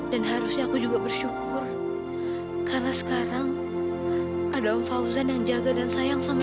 dan harusnya aku juga bersyukur karena sekarang ada om fauzan yang jaga dan sayang sama ibu